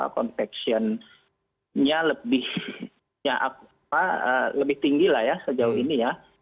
konveksinya lebih tinggi sejauh ini